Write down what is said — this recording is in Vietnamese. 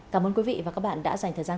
cảm ơn quý vị và các bạn đã dành thời gian